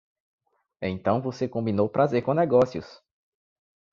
Então você combinou prazer com negócios!